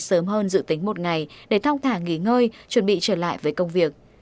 sớm hơn dự tính một ngày để thong thả nghỉ ngơi chuẩn bị trở lại với công việc